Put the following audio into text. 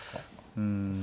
うん。